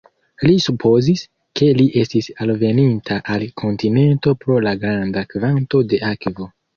Li supozis, ke li estis alveninta al kontinento pro la granda kvanto de akvo.